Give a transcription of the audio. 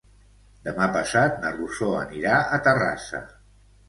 Demà passat na Rosó anirà a Terrassa.